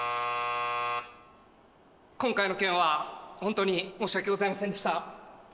今回の件はホントに申し訳ございませんでした